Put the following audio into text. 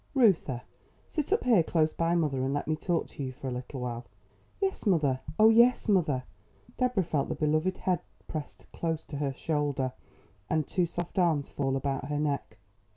"Reuther, sit up here close by mother and let me talk to you for a little while." "Yes, mother; oh, yes, mother." Deborah felt the beloved head pressed close to her shoulder and two soft arms fall about her neck.